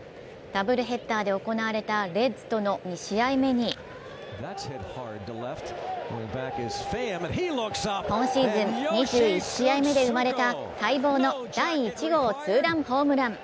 ダブルヘッダーで行われたレッズとの２試合目に今シーズン２１試合目で生まれた待望の第１号ツーランホームラン。